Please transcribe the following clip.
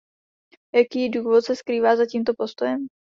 Jaký důvod se skrývá za tímto postojem?